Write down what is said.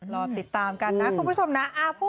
รอติดตามกันนะคุณผู้ชมนะ